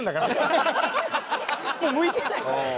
もう向いてない。